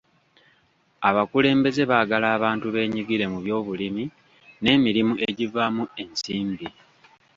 Abakulembeze baagala abantu beenyigire mu byobulimi n'emirimu egivaamu ensimbi.